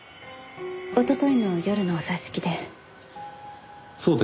おとといの夜のお座敷で。